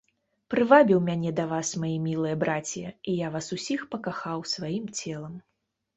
Прывабіў мяне да вас, маі мілыя брація, і я вас усіх пакахаў сваім целам.